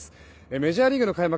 メジャーリーグの開幕